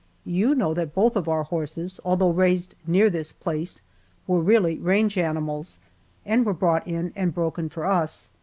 You know that both of our horses, although raised near this place, were really range animals, and were brought in and broken for us.